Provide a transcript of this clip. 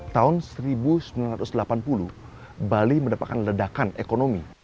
tahun seribu sembilan ratus delapan puluh bali mendapatkan ledakan ekonomi